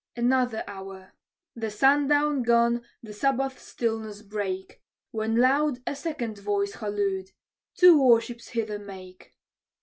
Another hour: the sundown gun the Sabbath stillness brake; When loud a second voice hallooed, "Two war ships hither make!"